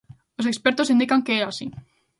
Os expertos indican que é así.